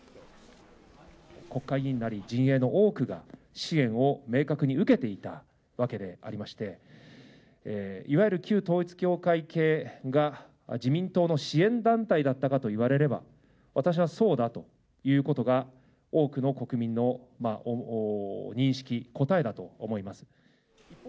国会議員なり、陣営の多くが、支援を明確に受けていたわけでありまして、いわゆる旧統一教会系が自民党の支援団体だったかと言われれば、私はそうだということが多くの国民の認識、答えだと思います。